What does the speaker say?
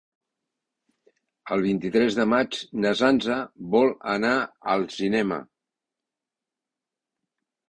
El vint-i-tres de maig na Sança vol anar al cinema.